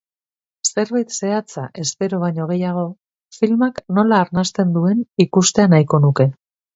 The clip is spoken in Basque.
Zerbait zehatza espero baino gehiago, filmak nola arnasten duen ikustea nahiko nuke.